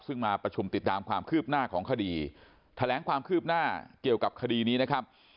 ซึ่งมาประชุมติดตามความคืบหน้าของคดีแถลงความคืบหน้าเกี่ยวกับคดีนี้นะครับ